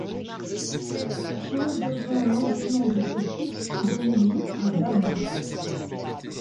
Jean, devant l'engouement de ses fils, donne vie à Babar.